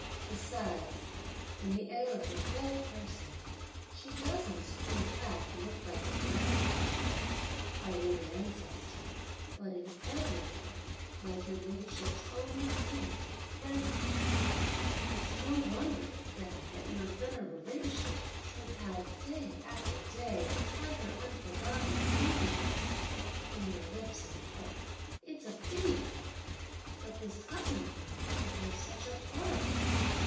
Besides, in the air of her whole person, she doesn't in fact look like your granddaughter in law, our worthy ancestor, but in every way like your ladyship's own kindred granddaughter! It's no wonder then that your venerable ladyship should have, day after day, had her unforgotten, even for a second, in your lips and heart. It's a pity, however, that this cousin of mine should have such a hard lot!